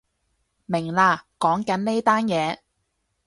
明喇，講緊呢單嘢